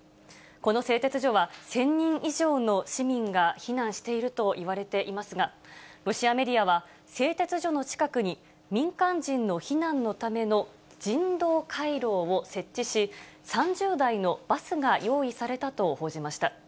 この製鉄所は１０００人以上の市民が避難しているといわれていますが、ロシアメディアは、製鉄所の近くに民間人の避難のための人道回廊を設置し、３０台のバスが用意されたと報じました。